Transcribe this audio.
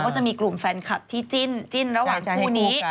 จะมีกลุ่มแฟนคลับที่จิ้นระหว่างคู่นี้